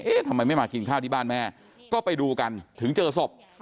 ทำไมไม่มากินข้าวที่บ้านแม่ก็ไปดูกันถึงเจอศพ